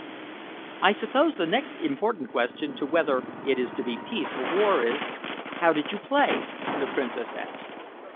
"I suppose the next important question is to whether it is to be peace or war is, how did you play?" the Princess asked.